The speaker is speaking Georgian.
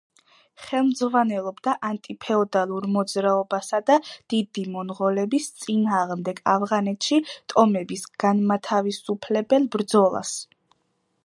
ხელმძღვანელობდა ანტიფეოდალურ მოძრაობასა და დიდი მონღოლების წინააღმდეგ ავღანეთში ტომების განმათავისუფლებელ ბრძოლას.